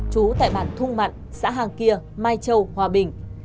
trú tại bản thung mặn xã hàng kia mai châu hòa bình